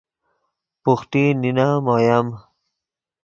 بوخٹی نینم اویم